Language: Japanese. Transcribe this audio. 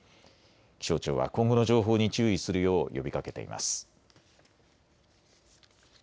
気象庁は今後の情報に注意するよう呼びかけています。